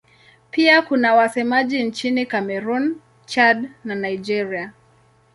Pia kuna wasemaji nchini Kamerun, Chad na Nigeria.